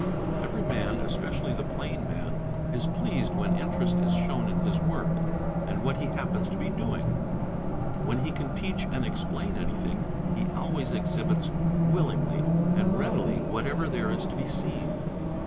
Every man, especially the plain man, is ~ pleased when interest is shown in his work and what he happens to be doing; when he can teach and explain anything, he always exhibits — willingly and readily whatever there is to be seen.